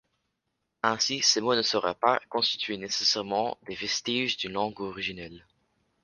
Ainsi, ces mots ne sauraient constituer nécessairement des vestiges d'une langue originelle.